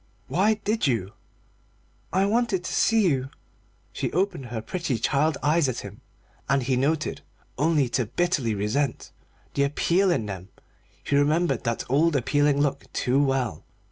"Why did you?" "I wanted to see you." She opened her pretty child eyes at him, and he noted, only to bitterly resent, the appeal in them. He remembered that old appealing look too well.